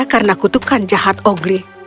karena kutubkan jahat ogli